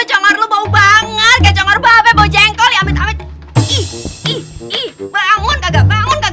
kenapa sih buatan